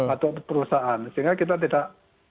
atau perusahaan sehingga kita tidak